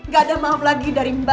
gak ada maaf lagi dari mbak